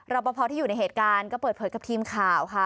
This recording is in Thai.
ปภที่อยู่ในเหตุการณ์ก็เปิดเผยกับทีมข่าวค่ะ